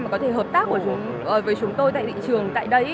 mà có thể hợp tác với chúng tôi tại thị trường tại đây